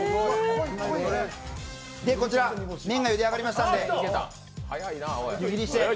こちら、麺がゆであがりましたんで湯切りして。